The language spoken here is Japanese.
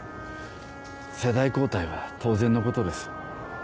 世代交代は当然のことです。